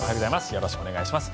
よろしくお願いします。